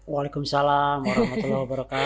waalaikumsalam wr wb